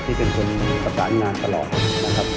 ที่เป็นคนประสานงานตลอดนะครับ